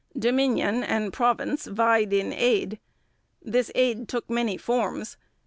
Dominion and province vied in aid. This aid took many forms.